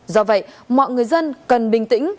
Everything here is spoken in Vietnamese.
do vậy mọi người dân cần bình tĩnh